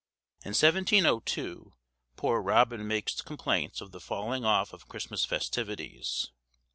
In 1702, Poor Robin makes complaints of the falling off of Christmas festivities.